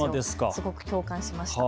すごく共感しました。